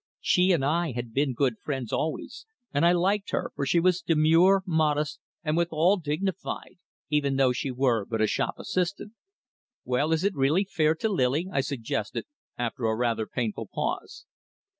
She and I had been good friends always, and I liked her, for she was demure, modest, and withal dignified, even though she were but a shop assistant. "Well, is it really fair to Lily?" I suggested, after a rather painful pause.